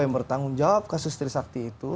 yang bertanggung jawab kasus trisakti itu